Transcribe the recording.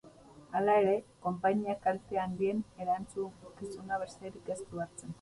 Hala ere, konpainiak kalte handien erantzukizuna besterik ez du hartzen.